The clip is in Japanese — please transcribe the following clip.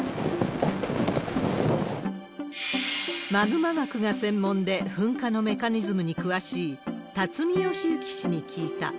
マグマ学が専門で噴火のメカニズムに詳しい巽好幸氏に聞いた。